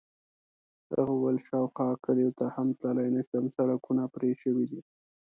هغه وویل: شاوخوا کلیو ته هم تللی نه شم، سړکونه پرې شوي دي.